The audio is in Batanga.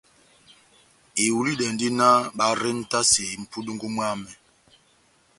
Ihulidɛndi náh barentase mʼpundungu mwámɛ.